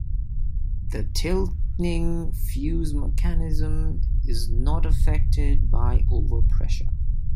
The tilting fuze mechanism is not affected by overpressure.